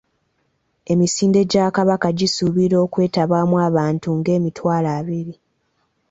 Emisinde gya Kabaka gisuubirwa okwetabwamu abantu nga emitwalo abiri.